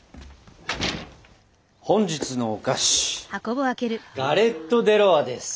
本日のお菓子ガレット・デ・ロワです。